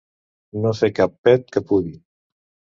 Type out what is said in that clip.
No fer cap pet que pudi.